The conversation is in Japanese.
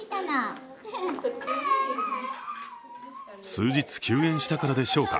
数日、休園したからでしょうか。